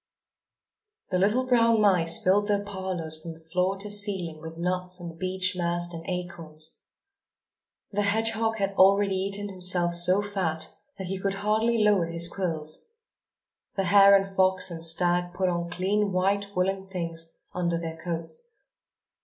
The little brown mice filled their parlors from floor to ceiling with nuts and beech mast and acorns. The hedgehog had already eaten himself so fat that he could hardly lower his quills. The hare and fox and stag put on clean white woollen things, under their coats.